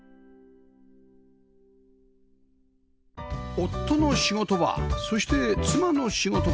夫の仕事場そして妻の仕事場